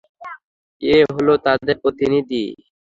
এ হলো তাদের প্রতিনিধি।